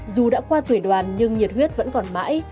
dù đã qua tuổi đoàn nhưng nhiệt huyết vẫn còn mãi